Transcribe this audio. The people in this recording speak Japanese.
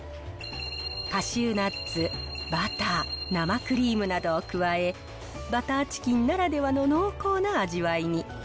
カシューナッツ、バター、生クリームなどを加え、バターチキンならではの濃厚な味わいに。